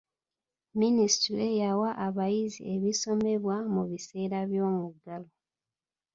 Minisitule yawa abayizi ebisomebwa mu biseera by'omuggalo.